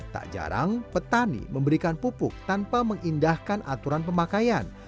tak jarang petani memberikan pupuk tanpa mengindahkan aturan pemakaian